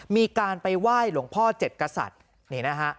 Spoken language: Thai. มีการไปไหว้หลวงพ่อเจ็ดกษัตริย์นี่นะฮะ